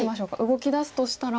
動きだすとしたら？